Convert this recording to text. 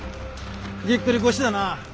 ぎっくり腰だな。